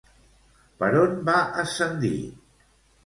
Per on va ascendir?